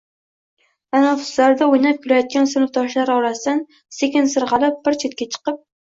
Tanaffuslarda o'ynab-kulayogan sinfdoshlari orasidan sekin sirg'alib bir chetga chiqib